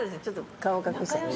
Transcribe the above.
顔を隠して。